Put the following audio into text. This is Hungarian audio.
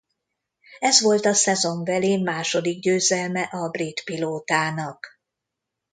Ez volt a szezonbeli második győzelme a brit pilótának.